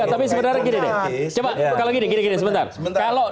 tapi sebenarnya gini deh